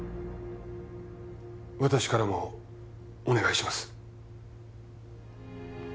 私からもお願いします